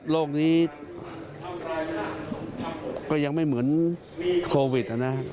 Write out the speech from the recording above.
โรคนี้ก็ยังไม่เหมือนโควิดนะ